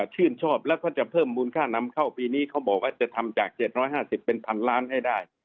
ชื่นชอบแล้วก็จะเพิ่มมูลค่านำเข้าปีนี้เขาบอกว่าจะทำจาก๗๕๐เป็นพันล้านให้ได้